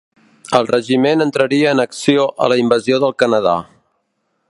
El regiment entraria en acció a la Invasió del Canadà.